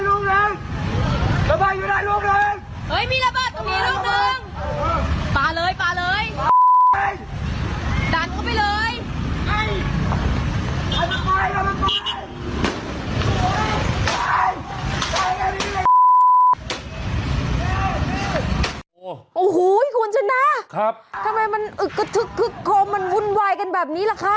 โอ้โหคุณชนะทำไมมันอึกกระทึกคึกโคมมันวุ่นวายกันแบบนี้ล่ะคะ